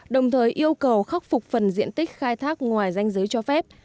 đồng thời yêu cầu khắc phục phần diện tích khai thác ngoài danh giới cho phép